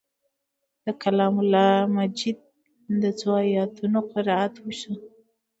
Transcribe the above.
د کلام الله مجید د څو آیتونو قرائت وشو.